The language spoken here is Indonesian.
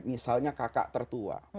misalnya kakak tertua